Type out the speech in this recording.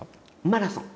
マラソン。